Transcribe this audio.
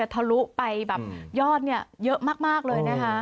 ทะลุไปแบบยอดเยอะมากเลยนะคะ